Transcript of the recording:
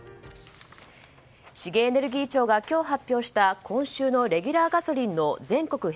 資源エネルギー庁が今日発表した今週のレギュラーガソリンの全国